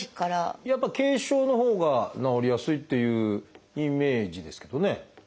やっぱ軽症のほうが治りやすいっていうイメージですけどね。